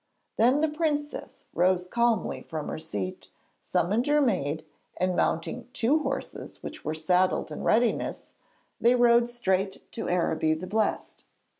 Then the princess rose calmly from her seat, summoned her maid, and mounting two horses which were saddled in readiness, they rode straight to Araby the Blest.